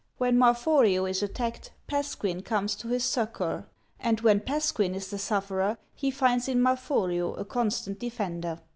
When Marforio is attacked, Pasquin comes to his succour; and when Pasquin is the sufferer, he finds in Marforio a constant defender.